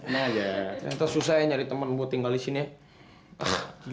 nah susah susah ya nyari temen buat tinggal disini ya